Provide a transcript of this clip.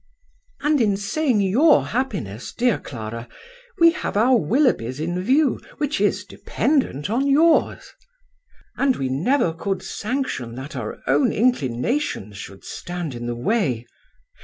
" And in saying your happiness, dear Clara, we have our Willoughby's in view, which is dependent on yours." " And we never could sanction that our own inclinations should stand in the way."